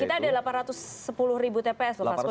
kita ada delapan ratus sepuluh tps loh fasko